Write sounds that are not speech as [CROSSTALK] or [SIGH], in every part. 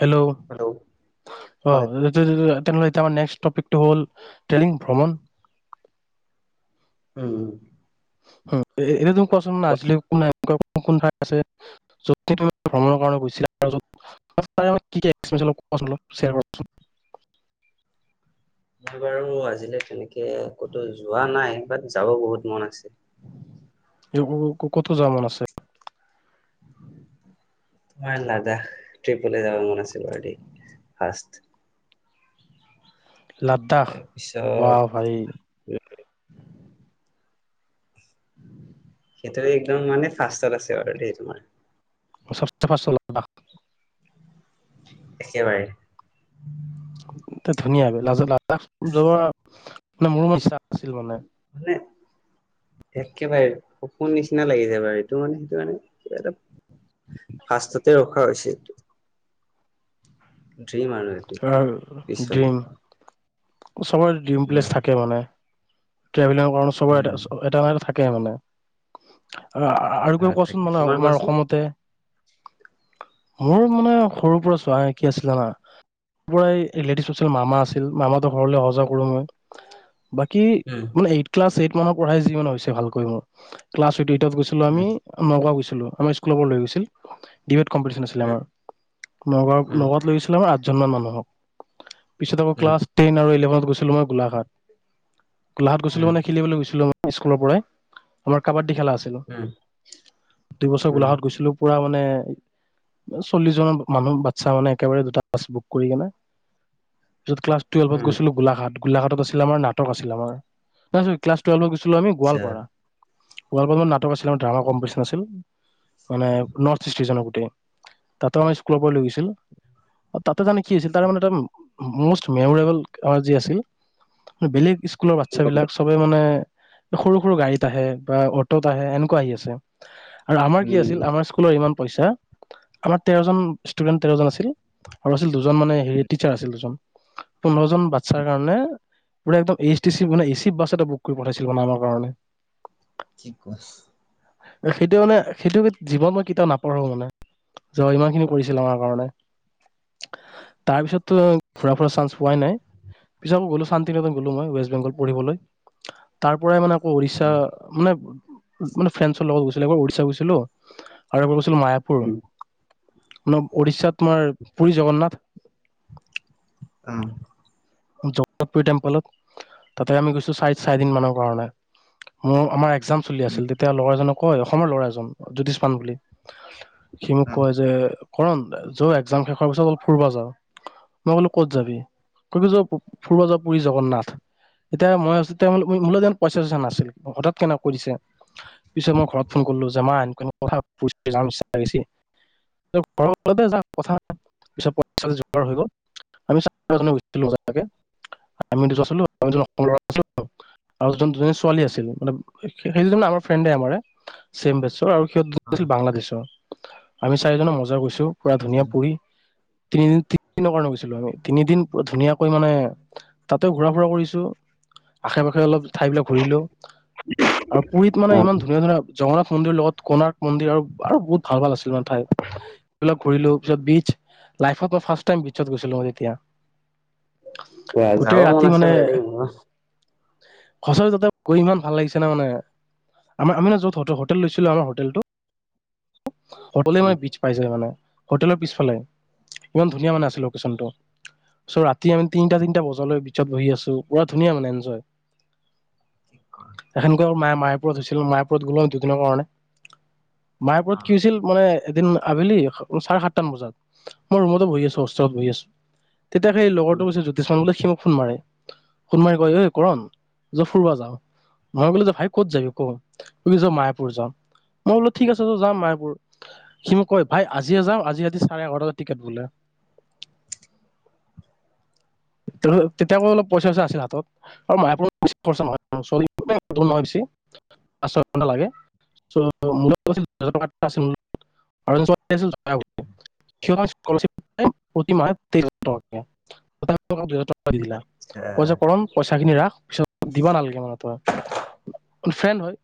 Hello, অহ হয় তেনেহলে নেক্স টপিকটো হ'ল টেলিং ভ্ৰমণ উম হুম এনেটো পচন্দ নাছিলে একো নাই ক কোন ঠাই আছে, য'ত ভ্ৰমণৰ কাৰণে গৈছিলা [UNINTELLIGIBLE] মই বাৰু আজিলৈ তেনেকে ক'তো যোৱা নাই বাত্ যাব বহুত মন আছে। ক'তো যাব মন আছে। তোমাৰ লাজা ট্ৰিপলে যাব মন আছিল। লাদাখ, তাৰপিছত বাহ ভাই। উম এইটো একদম মানে ফাৰ্ষ্টত আছে আৰু দেই তোমাৰ [UNINTELLIGIBLE] একেবাৰে ধুনীয়া ব লাজ [UNINTELLIGIBLE] মানে [UNINTELLIGIBLE] আছিল মানে মানে একেবাৰে, সপোন নিচিনা লাগিছে বাৰু এইটো মানে সেইটো মানে কিবা এটা ফাষ্টতে ৰখা হৈছে এইটো ড্ৰিম আৰু এইটো পিছলে ড্ৰিম চবৰে ড্ৰিম প্লেচ উম থাকে মানে টেভেলৰ কাৰণে চবৰে উম এটা হলেও থা তাকে মানে আৰু ক অ কোৱাচোন থাকে মানে তোমাৰ আমাৰ কোৱাচোন অসমতে মোৰ মানে সৰুৰ পৰা চোৱা কি আছিলে জনা পৰাই লেডিছ আছিল মামা আছিল। মামা হতৰ ঘৰলৈ অহা যোৱা কৰোঁ মই বাকী উম মানে এইট ক্লাছ এইট মানুহ পঢ়াই যি, মানুহ হৈছে ভালকৈ মোৰ ক্লাচ চুটি ত' গৈছিলোঁ উম আমি নগাঁও গৈছি লো, আমাৰ ইস্কুলৰ লৈ গৈছিল। ডিবেট কম্পিটিশ্যন আছিলে উম আমাৰ। নগাঁও, উম নগাঁওত লৈ, গৈছিলে আমাৰ জনমান মানুহক পিছত আকৌ উম ক্লাচ টেন আৰু ইলেভেন গৈছিলোঁ মই গোলাঘাট। গোলাঘাট গৈছিলোঁ উম মানে, খেলিবলে গৈছিলোঁ ইস্কুলৰ পৰাই, আমাৰ কাবাড ডী, খেলা আছিলোঁ, উম দুইবছৰ উম গোলাঘাট গৈছিলোঁ পুৰা মা মানে চল্লিশ জন মানুহ, বাচ্ছা মানে একেবাৰে দুটা বাছ বুক কৰি কেনে য'ত ক্লাচ টুৱেলভ উম। গৈছিলোঁ গোলাঘাট। গোলাঘাটত আছিল আমাৰ নাটক আছিল, [UNINTELLIGIBLE] ছিলো, আমি গোৱালপাৰা। [UNINTELLIGIBLE] আছিল, ড্ৰামা কমপিডিছন আছিল মানে নৰ্থ ইষ্ট কিজনৰ গোটেই। তাতো আমাক স্কুলৰ পৰা লৈ গৈছিল তাতে জানে কি আছিল তাৰ মানে এটা মষ্ট মেমৰেবল যি আছিল। বেলেগ স্কুলৰ বাচ্ছাবিলাক সবে মানে সৰু, সৰু গাড়ীত আহে বা অটোত আহে এনেকুৱা আহি আছে আৰু আমাৰ কি আছিল, আমাৰ স্কুলৰ ইমান পইচা আমাৰ তেৰজন ষ্টুডেণ্ট তেৰজন আছিল আৰু আছিল দুজন মানে হেৰি টিচাৰ আছিল দুজন পোন্ধৰ জন বাচ্ছাৰ কাৰণে পুৰা একদম এইচ টি চি মানে এচি বাছ এটা বুক কৰি পঠাইছিল মানে আমাৰ কাৰণে। কি কোৱা। সেইটো মানে সেইটো জীৱন মই কেতিয়াও নাপাহৰোঁ মানে। যে ইমান খিনি কৰিছিল আমাৰ কাৰণে। তাৰ পিছততো ঘুৰা ফুৰা চান্স পোৱাই নাই। পিছত গ'লো শান্তিকতন গ'লো মই। ৱেষ্ট বেংগল পঢ়িবলৈ। তাৰ পৰাই মানে উৰিষ্যা মানে মানে ফ্ৰেন্ঞ্চৰ লগত গৈছিলো এবাৰ উৰিষ্যা গৈছিলো। আৰু এবাৰ মায়াপুৰ। ন উৰিষ্যাত তোমাৰ পুুৰী জগন্নাথ আহ। জগতপুৰ টেম্পলত তাতে আমি গৈছো চাৰি-চাৰি দিন মানৰ কাৰণে মোৰ আমাৰ এক্সাম চলি আছিল তেতিয়া লগৰজনক কয় অসমৰ ল'ৰা এজন জ্যোতিষমান বুলি সি মোক কয় যে কৰণ য একজাম শেষ হোৱাৰ পিছত অল ফুৰিবা যাওঁ মই ক'লো ক'ত যাবি? ক কি ফুৰবা যা পুৰী জগন্নাথ এতিয়া মইও মোৰ পইচা চইচা নাছিল হঠাৎ কেনেক কৈ দিছে পিছত মই ঘৰত ফোন কৰিলো যে মা এনেকুৱা আমি দুজন আছিলো লৰা অসমৰ আৰু দুজনী ছোৱালী আছিল মানে সেই দুজন আমাৰ ফ্ৰেণ্ড আমাৰ চেইম বেষ্টৰ আৰু সিহঁতছিল বাংলাদেশৰ আমি চাৰিজনক মজা গৈছো পুৰা ধুনীয়া পুৰি তিনিদিন তিনিদিনৰ কাৰণে গৈছিলো আমি তিনিদিন ধুনীয়াকৈ মানে তাতেও ঘূৰা ফুৰা কৰিছো আশে পাশে অলপ ঠাইবিলাক ঘূৰিলো আৰু পুুৰীত মানে ইমান ধুনীয়া ধুনীয়া জগন্নাথ মন্দিৰ লগত কণাৰ মন্দিৰ আৰু বহুত ভাল-ভাল আছিল মানে এইবিলাক ঘূৰিলো পিছত বিটছ লাইফত মই ফাৰ্ষ্ট টাইম বিটছত গৈছিলো মই তেতিয়া অ যাব মন আছে বাৰি ম সচৰি তাতে গৈ ইমান ভাল লাগিছে না মানে আমাৰ আমি ন য'ত হোটেল লৈছিলো আমাৰ হোটেলটো। অটলে মানে বীজ পাই যায় মানে। হোটেলৰ পিছফালে ইমান ধুনীয়া মানে আছিল লোকেশ্যনটো। ৰাতি আমি তিনিটা তিনিটা বজালৈ বিচত বহি আছো পুৰা ধুনীয়া মানে এনজয়। এখনেক মায়ে মায়পুৰত হৈছিল মায়াপুৰত গ'লো দুদিনৰ কাৰণে। মাহপুৰত কি হৈছিল মানে এদিন আবেলি চাৰে সাতটা মান বজাত মই ৰুমতো বহি আছো হোষ্টেলত বহি আছো। তেতিয়া সেই লগৰটোছ জোতিষানলৈ সি মোক ফোন মাৰে ফোন মাৰি কয় এই ঐ কৰণ য ফুৰোৱা যাও মই কলে যে ভাই কত যাবি ক য মায়াপুৰ যাও মই বোলো ঠিক আছে ত যাম মায়াপুৰ সি মোক কয় ভাই আজিয়ে যাাম আজি ৰাতি চাৰে এঘাৰটাটা টিকেট বোলে। তেতিয়া অলপ পইচা পইচা আছিল হাতত আৰু মচ নহয়হয় বেচি পাঁচ ছয় ঘন্টা লাগোহ। টকা কে- দিলা আচ্ছা। কই যে উম। ঠিক কৈছা। উম। অ', উম, অ', অ', অ'। অ', যাব মন আছে বাৰু দেই মোৰ। ঠিক কৰম পইচা খিনি ৰাখ পিছত দিবা নালাগে মানে তই। ফ্ৰেণ্ড হয়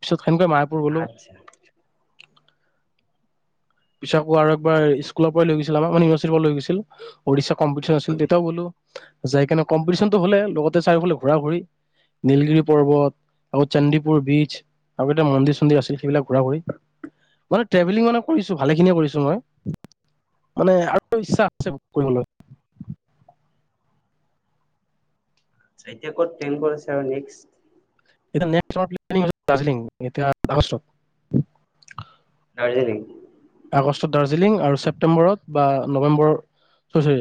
পিছত সেনেকে কৰা মায়াপুৰ অ'। উম। গলো। আচ্ছা, পিছাকো আৰু এবাৰ স্কুলৰ পৰাই লৈ গৈছিল আমাৰ ইউ্চি পৰা লৈ গছিল উড়ষশা কম্পিটিচন আছিল তেতিয়াও গলো। যাই কিনে কম্পিটিচন টো হলেই লগত চাৰিওফালে ঘুৰা-ঘুৰি। নীলগিৰি পৰ্বত আকৌ চন্দিপুৰ বীচ আৰু এতিটা মন্দিৰ চন্দিৰ আছিল সেইবিলাক ঘূৰা-ঘূৰি। মানে ট্ৰেভেলিং মানে কৰিছোঁ ভালে খিনিয়ে কৰিছো মই। মানে আৰু ইচ্ছা আছে কৰিবলৈ। অট্চা। আ, এতিয়া ক'ত প্লেন কৰিছে আৰু নেক্স? এতিয়া দাৰ্জিলিং এতিয়া আগষ্টত দেৰি আগষ্টত দাৰ্জিলিং আৰু ছেপ্টেম্বৰত বা নৱেম্বৰ, অ', চৰি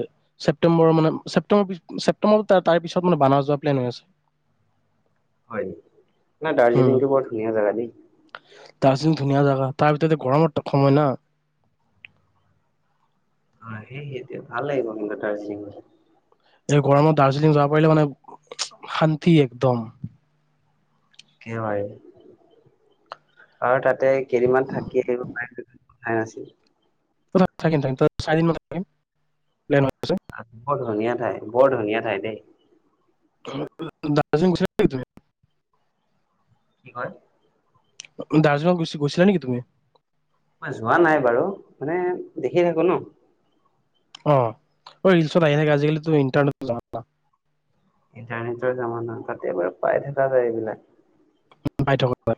ছেপটেম্বৰ মানে ছেপ ছেপটেম্ব তাৰ পিছত মান বানাৰ যোৱা প্লেন হৈ আছে। হয় ন উম দাৰ্জিলিংটো বৰ ধুনীয়া জাগা দেই। দাৰ্জিলিং ধুনীয়া জাগা তাৰ ভিতৰতে গৰমৰ সময় না। অ', সেয়েহে এতিয়া ভাল লাগিব গ'লে দাৰ্জিলিং। এই গৰমত দাৰ্জিলিং যাব পাৰিলে মানে শান্তি একদম। একেবাৰে আৰু তাতে কেইদিনমান থাকি আহিব পাৰিলে ভাল আছিল। ত থাকিম থাকিম তাত চাৰিদিন মান থাকিম। প্লেন হৈ আছে বৰ ধুনীয়া ঠাই, বৰ ধুনীয়া ঠাই দেই। দাৰ্জিলিং [UNINTELLIGIBLE] কি হয়? দাৰ্জিলিঙত গ' গৈছিলা নেকি তুমি? মই যোৱা নাই বাৰু মানে দেখি থাকো ন'। অ', ৰিল্চত আহি থাকে আজিকালি ইন্টাৰনেটৰ জামানা। ইণ্টাৰনেটৰ জামানা তাতেবাৰ পাই থকা যায় এইবিলাক। পাই থকা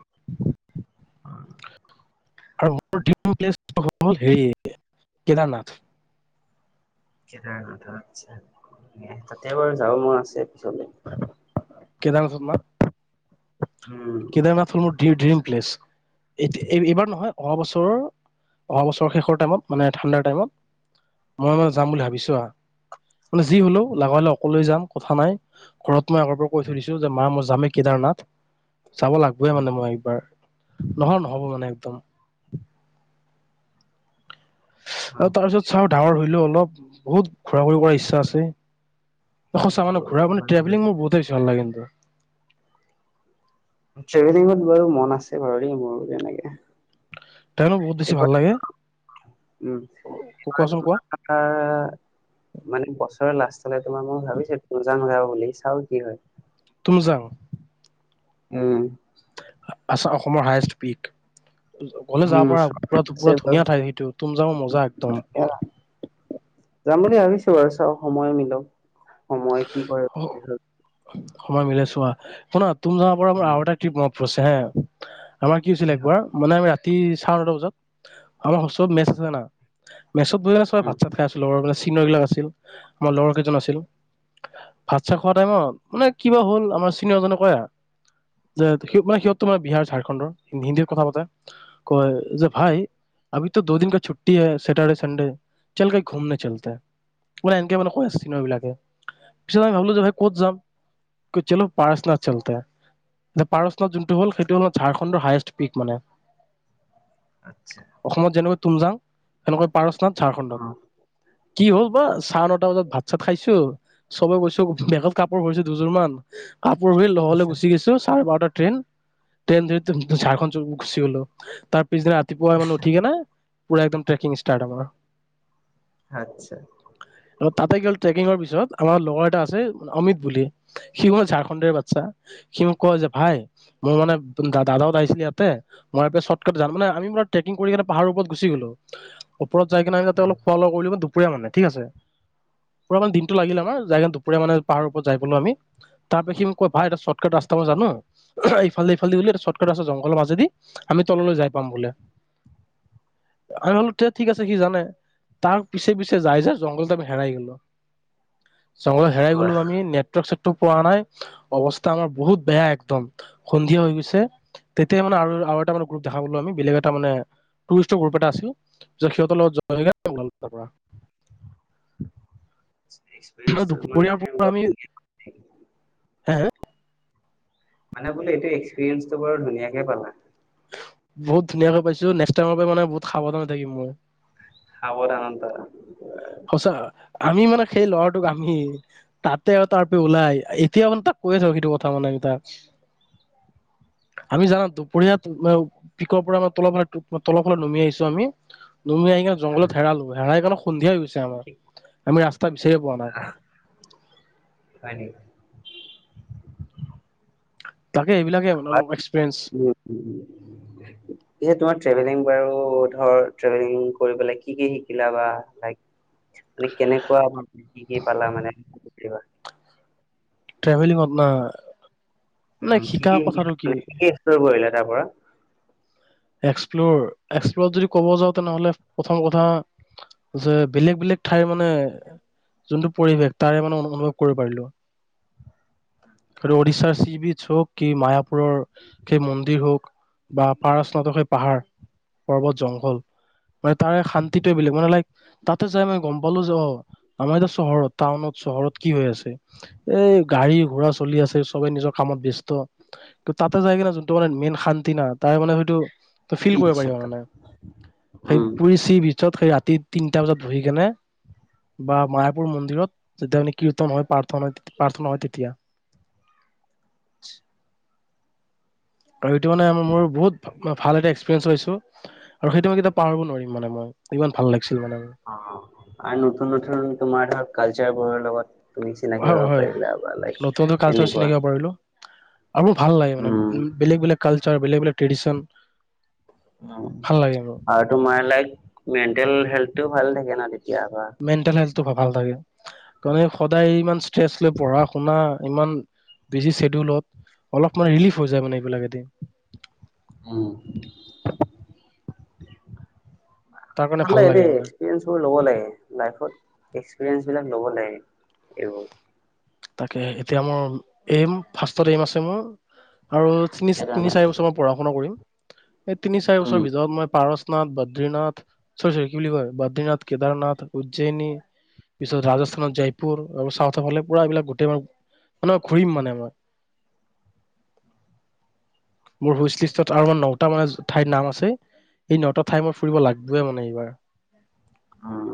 আৰু মোৰ ড্ৰিম প্লেচ হ'ল হেৰি কেদাৰনাথ। কোৰনাথ আচ্ছা, তাতে বাৰু যাৱ মন আছে পিছত। [INAUDIBLE] কেদাৰনাথত [UNINTELLIGIBLE] উম কেদাৰনাথ হ'ল মোৰ ডি-ড্ৰিম প্লেচ, এত এইবাৰ নহয় অহাবছৰ, অহাবছৰ শেষত টাইমত মানে ঠাণ্ডাৰ টাইমত, মই মানে যাম বুলি ভাবিছোঁ আৰু মানে যি হ'লেও লাগা হ'লে অকলেই যাম কথা নাই, ঘৰত মই আগৰ কৈ থৈ দিছো, যে মা মই যামে কেদাৰনাথ। চাব লাগিবয়ে মানে মই এইবাৰ। নহয় নহ'ব মানে একদম। আৰু তাৰ পিছত চাও, ডাঙৰ হৈ লওঁ অল অলপ, বহুত ঘুৰা-ফুৰি কৰাৰ ইচ্ছা আছে। সঁচা, মানে ঘুৰা মানে ট্ৰেভেলিং মোৰ বহুতেই বেছী ভাল লাগে কিন্তু। ট্ৰেভেলিঙত বাৰু মন আছে [UNINTELLIGIBLE] মোৰ তেনেকে। ট্ৰেভেলিং বহুত বেছি ভাল এইবাৰ, লাগে উম, কোৱাচোন কোৱা [UNINTELLIGIBLE] মানে বছৰে লাষ্ট হলে তোমাৰ মই ভাবিছিলো [UNINTELLIGIBLE] [UNINTELLIGIBLE] চাও কি হয়। তুমজাং উম। আচা-অসমৰ হায়েষ্ট পিক। গ'লে যাব উম পাৰা। আছে পুৰা-পুৰা ধুনীয়া বাৰু ঠাই সেইটো, তুমজাং মজা একদম। [UNINTELLIGIBLE] আৰু চাও সময় মিলক সময় কি কৰে [UNINTELLIGIBLE] সময় মিলে চোৱা শুনাত [UNINTELLIGIBLE] পৰা মোৰ আৰু উম এটা ট্ৰিপ মনত পৰিছে হে। আমাৰ কি হৈছিলে একবাৰ, মানে আমি ৰাতি চাৰে নটা বজাত, আমাৰ হোষ্টেলত মেচ আছে না মেছত বহি আছোঁ আৰু উম। ভাত চাত খাই আছিলোঁ আৰু মানে চিনিয়ৰবিলাক আছিল আমাৰ লগৰ কেইজন আছিল ভাত চাত খোৱা টাইমত মানে কিবা হ'ল আমাৰ চিনিয়ৰ জনে ক'লে যে মানে সিহঁত তোমাৰ বিহাৰ ঝাৰখণ্ডৰ হিন্দীত কথা পাতে, কয় যে ভাই অভিত' দ'দিন কা চুত্তি হে, ছেটাৰডে চানডে চল কহি ঘুম নে চলতে, মানে এনেকে মানে কৈ আছে চিনিয়ৰ বিলাকে। পিছত আমি ভাবিলো যে ভাই ক'ত যাম, কয় চলো পাৰ্চনাথ চলতে হে, এতিয়া পাৰসনাথ যোনটো হ'ল সেইটো হল ঝাৰখণ্ডৰ হায়েষ্ট পিক মানে। আচ্ছা। অসমত যেনেকৈ তুমজাং, এনেকৈ পাৰচ [UNINTELLIGIBLE] ঝাৰখণ্ড। অ' কি হ'ল বা চাৰে নটা বজাত ভাত চাত খাইছো চবে গৈছো বেগত কাপোৰ ভৰাইছোঁ দুযোৰ মান কাপোৰ [UNINTELLIGIBLE] লহলে পিছত গুচি গেছো চাৰে বাৰটাত ট্ৰেইন-ট্ৰেইন ধৰিটো ঝাৰখণ্ড গুচি গ'লো তাৰ পিছদিনা ৰাতিপুৱাই মানে উঠিকেনে পূৰা একদম ট্ৰেকিং ষ্টাৰ্ট আমাৰ। আতচ্ছা। তাতে গ'ল ট্ৰেকিঙৰ পিছত আমাৰ লগৰ এটা আছে অমিত বুলি, সি মানে ঝাৰখণ্ডৰে বাচ্ছা, সি মোক কয় যে ভাই মোৰ মানে দাদাহত আহিছিলে ইয়াতে, মই এটা চৰ্টকাত জানো মানে, আমি মানে ট্ৰেকিং কৰি পাহাৰৰ ওপৰত গুচি গ'লো ওপৰত যায় কেনে সিঁহতে অ' অলপ খোৱা লোৱা কৰিলোগেটো দূপৰীয়া মানে ঠিক আছে, পুৰা মানে দিনটো লাগিলে আৰু। [UNINTELLIGIBLE] যায় দুপৰীয়া মানে পাহাৰৰ ওপৰত যাই পালো আমি, তাৰ পা সি মোক কয় এটা চৰ্টকাট ৰাস্তা মই জানো, ইফালে ইফালদি এটা চৰ্টকাট ৰাস্তা জংঘলৰ মাজেদি আমি তললৈ যাই পাম বোলে। আমি ভাবিলো তে ঠিক আছে সি জানে তাৰ পিছে- পিছে যাই যে জংঘলতে আমি হেৰাই গ'লো। জংঘলত হেৰাই কোৱা। গ'লো আমি নেটৱৰ্ক সেট টক পোৱা নাই অৱস্থা আমাৰ বহুত বেয়া একদম সন্ধিয়া হৈ গৈছে, তেতিয়া মানে আৰু- আৰু এটা মানে গ্ৰুপ দেখা পালো, আমি বেলেগ এটা মানে টুৰিষ্টৰ গ্ৰুপ এটা আছিল, তাৰপিছত সিহঁতৰ লগত [UNINTELLIGIBLE] ওলালোঁ তাৰপৰা। [INAUDIBLE] এক্সপেৰিয়েঞ্চ টো দুপৰীয়াৰ মানে পৰা বৰ আমি ধুনীয়া হে [UNINTELLIGIBLE] মানে বোলে এইটো এক্সপিৰিয়েঞ্চটো বৰ ধুনীয়াকে পালা। বহুত ধুনীয়াকৈ পাইছো, নেক্সট টাইমৰ পৰা মানে বহুত সাৱধান হৈ থাকিম মই। সাৱধানতা। সঁচা। আমি মানে সেই ল'ৰাটোক আমি, তাতে আৰু তাৰপে ওলাই আহি এতিয়া মানে তাক কৈয়ে আছো সেইটো কথা মানে আমি তাক। আমি জানা দুপৰীয়াত পিকৰ পৰা তল ফাল তলৰফালে নামি আহিছো আমি দৌৰমাৰি আহি কিনে উম, জংঘলত হেৰালো, হেৰাই কন সন্ধিয়া হৈ গৈ ছে ঠিক আমাৰ। আমি ৰাস্তা বিচাৰিয়ে পোৱা নাই। আহ, হয় নেকি? তাকে এইবিলাকে মানে অলপ এক্সপিৰিয়েঞ্চ [UNINTELLIGIBLE] এ তোমাৰ ট্ৰেভেলিং বাৰু ধৰ, ট্ৰেভেলিং কৰিপেলাই কি কি শিকিলা বা লাইক তুমি কেনেকুৱা কি কি পালা মানে? কিবা ধৰিলোঁ আপোনাৰ উম কি কি শিকিলা মানে কি কি এক্সপ্লৰ কৰিলা তাৰ পৰা? এক্সপ্লৰ এক্সপ্লৰত যদি ক'ব যাওঁ, তেনেহলে প্ৰথম কথা যে বেলেগ বেলেগ ঠাইৰ মানে যোনটো পৰিৱেশ তাৰে মানে অনুভৱ কৰিব পাৰিলো, আৰু উৰিশ্যাৰ চি বিটছ হওক কি মায়াপুৰৰ সেই মন্দিৰ হওক বা পাৰচ তহঁত সেই পাহাৰ পৰ্বত জংঘল মানে তাৰে শান্তিটোৱে বেলেগ মানে লাইক, তাতে যাই মানে গম পালো যে অ' আমাৰ এতিয়া চহৰত টাউনত চহৰত কি হৈ আছে? এই গাড়ী ঘোৰা চলি আছে চবে নিজৰ কামত ব্যস্ত। ত' তাতে যাই কিনে যোনটো মানে মেইন শান্তি না তাৰে মানে হয়টো ত' ফিল কৰিব পিচ্ছা পাৰিব মানে সেই উম। পুৰি চি বিছত সেই তি-তিনটা বজাত বহি কেনে, বা মায়াপুৰ মন্দিৰত যেতিয়া মানে কীৰ্তন হয়, প্ৰাৰ্থনা প্ৰাৰ্থনা হয় তেতিয়া। আৰু ইটো মানে মোৰ বহুত ভাল এটা এক্সপিৰিয়ঞ্চ লৈছোঁ। আৰু সেইটো মই কেতিয়াও পাহৰিব নোৱাৰিম মানে মই। ইমান ভাল লাগিছিল মানে মোৰ। অ', আৰু নতুন নতুন তোমাৰ হওঁক কালচাৰ বোৰৰ লগত তুমি চিনাকি হয় হ'ব হয় পাৰিলা, লাইক নতুন নতুন কালচাৰ তেনেকুৱা। চিনাকি হ'ব পাৰিলো আৰু মোৰ ভাল লাগে মানে উম, বেলেগ বেলেগ কাল চাৰ বেলেগ বেলেগ ট্ৰেডিশ্যন। আৰু তোমাৰ লাইক মেন্টেল হেল তো ভাল থাকে না মেন্তনন্স টো ভাল থাকে। কমেও সদায় ইমান [UNINTELLIGIBLE] লৈ পঢ়া শুনা ইমান বিজি চেডিউলত অলপান ৰিলিফ হৈ যায় মানে আইবিলক দি। উম। তাৰ কাৰণে ভাল ভাল লাগে দেই। মানে এক্সপিৰিয়েঞ্চোৰ বোৰ লব লাগে লাইফট। এক্সপেৰিয়েন্স বিলাক লব লাগে তাকে। এতিয়া মোৰ এইম ফাৰ্ষ্টত এইম আছে মোৰ আৰু তিনি তিনি চাৰি বছৰান পঢ়া শুনা কৰিম এই তিনি চাৰি উম, বছৰ ভিতৰত মই পাৰসনাথ, বদ্ৰীনাথ সৰি, সৰি কি বুলি কয় বদ্ৰীিনাথ, কেদাৰনাথ, উজ্জয়নী, পিছত ৰাজস্থানত জয়পুৰ আৰু চউথে ফালে পুৰা এইবিলাক গোটেই মাৰ মান ঘূৰিম মানে মই। মোৰ হুইছ লিষ্টত আৰু ম নটা মানে ঠাইৰ নাম আছে। এই নটা ঠাই মই ফুৰিব লাগিবে মানে এইবাৰ। উম।